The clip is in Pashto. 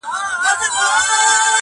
ما خو داسي نه ویل چي خان به نه سې.